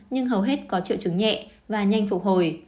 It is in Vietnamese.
nhưng hầu hết có triệu chứng nhẹ và nhanh phục hồi